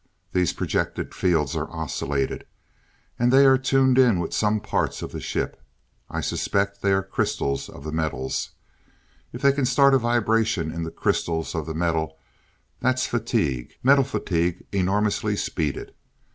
These projected fields are oscillated, and they are tuned in with some parts of the ship. I suspect they are crystals of the metals. If they can start a vibration in the crystals of the metal that's fatigue, metal fatigue enormously speeded.